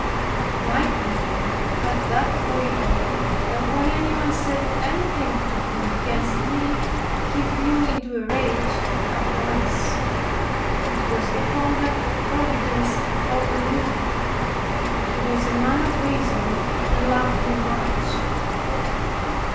My husband had that foible, that when anyone said anything to him against me, he flew into a rage at once. It was the conduct of providence over me; for he was a man of reason and loved me much.